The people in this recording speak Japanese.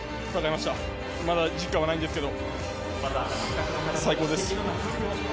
まだ実感はないんですけど、最高です。